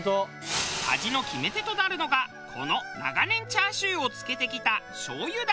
味の決め手となるのがこの長年チャーシューを漬けてきた醤油ダレ。